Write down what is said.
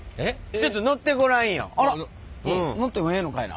ちょっと乗ってもええのかいな？